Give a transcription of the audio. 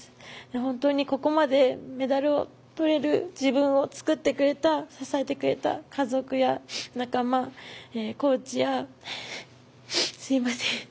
本当に、ここまでメダルを取れる自分を作ってくれた支えてくれた家族や仲間コーチやすいません。